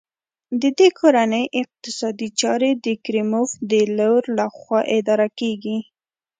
د دې کورنۍ اقتصادي چارې د کریموف د لور لخوا اداره کېږي.